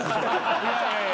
いやいやいや。